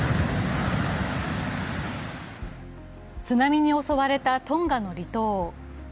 津波の襲われたトンガの離島。